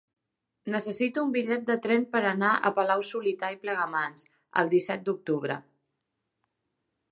Necessito un bitllet de tren per anar a Palau-solità i Plegamans el disset d'octubre.